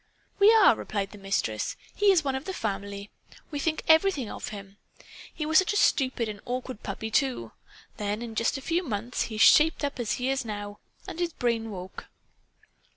"We are," replied the Mistress. "He is one of the family. We think everything of him. He was such a stupid and awkward puppy, too! Then, in just a few months, he shaped up, as he is now. And his brain woke."